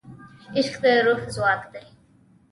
عشق د روح ځواک دی.